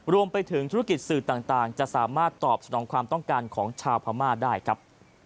รวมไปถึงธุรกิจสื่อต่างจะสามารถตอบสนองความต้องการของชาวพม่าได้ครับ